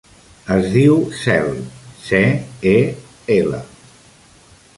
Es diu Cel: ce, e, ela.